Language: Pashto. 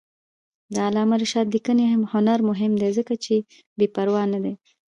د علامه رشاد لیکنی هنر مهم دی ځکه چې بېپروا نه دی.